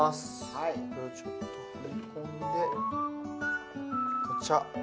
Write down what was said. はいこれをちょっとはめ込んでカチャッ